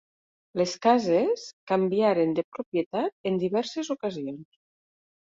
Les cases canviaren de propietat en diverses ocasions.